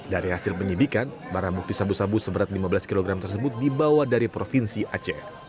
dari hasil penyidikan barang bukti sabu sabu seberat lima belas kg tersebut dibawa dari provinsi aceh